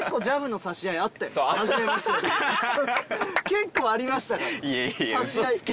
結構ありましたから。